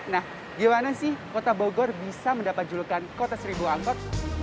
nah gimana sih kota bogor bisa mendapat julukan kota seribu angkot